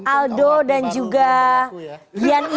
aldo dan juga gyan